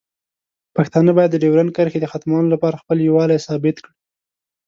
پښتانه باید د ډیورنډ کرښې د ختمولو لپاره خپل یووالی ثابت کړي.